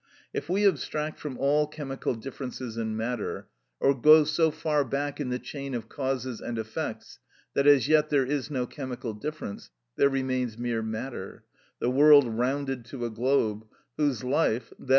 If we abstract from all chemical differences in matter, or go so far back in the chain of causes and effects that as yet there is no chemical difference, there remains mere matter,—the world rounded to a globe, whose life, _i.